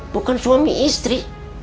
bukan suami istri